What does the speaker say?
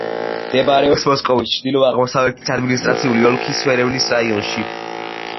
მდებარეობს მოსკოვის ჩრდილო-აღმოსავლეთის ადმინისტრაციული ოლქის სევერნის რაიონში.